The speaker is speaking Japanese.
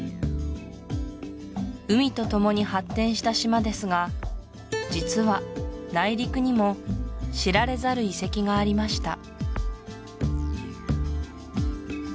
海とともに発展した島ですが実は内陸にも知られざる遺跡がありました